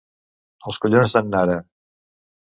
Els collons d'en Nara!